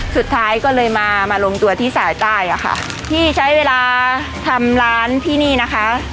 สุดท้ายก็เลยมามาลงตัวที่สายใต้อ่ะค่ะที่ใช้เวลาทำร้านที่นี่นะคะ